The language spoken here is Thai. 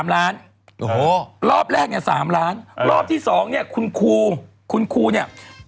๓ล้านรอบที่๒เนี่ยคุณครูคุณครูเนี่ย